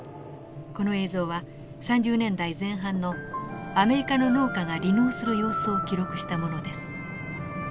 この映像は３０年代前半のアメリカの農家が離農する様子を記録したものです。